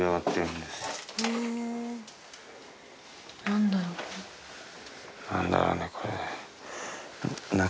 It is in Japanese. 何だろうねこれ中？